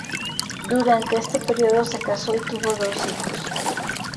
Durante este período se casó y tuvo dos hijos.